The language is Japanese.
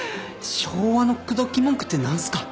昭和の口説き文句って何すか？